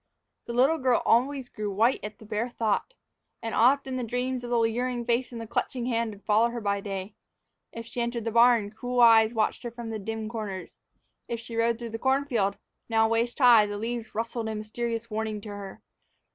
The little girl always grew white at the bare thought. And often the dream of the leering face and the clutching hand would follow her by day. If she entered the barn, cruel eyes watched her from out dim corners; if she rode through the corn field, now waist high, the leaves rustled a mysterious warning to her.